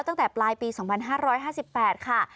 ตั้งแต่ปลายปี๒๕๕๘ค่ะ